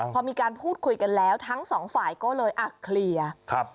พอมีการพูดคุยกันแล้วทั้งสองฝ่ายก็เลยอ่ะเคลียร์ครับ